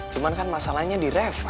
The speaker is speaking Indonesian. cuman kan masalahnya di reva